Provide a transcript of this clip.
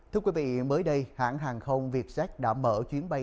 thưa quý vị mới đây hãng hàng không vietjet đã mở chuyến bay